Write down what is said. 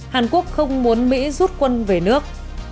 hàn quốc không muốn mỹ rút quân về nước